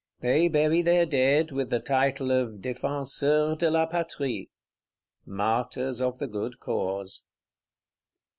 They bury their dead with the title of Défenseurs de la Patrie, Martyrs of the good Cause.